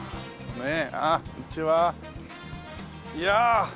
ねえ。